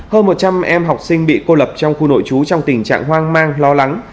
hơn một trăm linh em học sinh bị cô lập trong khu nội trú trong tình trạng hoang mang lo lắng